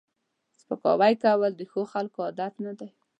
سپکاوی کول د ښو خلکو عادت نه دی